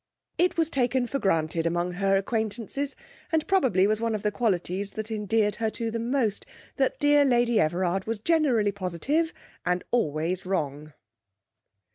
It was taken for granted among her acquaintances, and probably was one of the qualities that endeared her to them most, that dear Lady Everard was generally positive and always wrong.